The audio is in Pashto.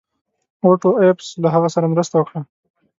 اوټو ایفز له هغه سره مرسته وکړه.